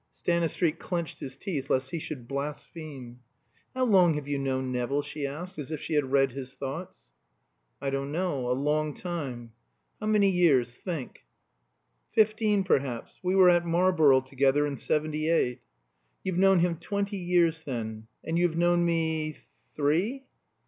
Stanistreet clenched his teeth lest he should blaspheme. "How long have you known Nevill?" she asked, as if she had read his thoughts. "I don't know. A long time " "How many years? Think." "Fifteen perhaps. We were at Marlborough together in seventy eight." "You've known him twenty years then. And you have known me three?"